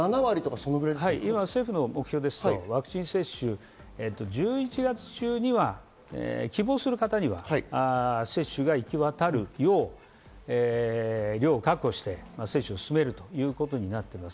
今、政府の目標ですと、１１月中には希望する方には接種が行き渡るよう、量を確保して接種を進めるという具合です。